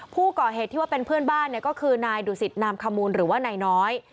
ผู้ก่อเหตุที่ว่าเป็นเพื่อนบ้านเนี่ยก็คือนายดุสิตนามขมูลหรือว่านายน้อย